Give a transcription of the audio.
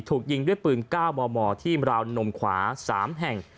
ถูกยิงด้วยปืน๙มมที่ราวนมขวา๓แห่ง